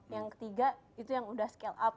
yang ketiga itu yang udah scale up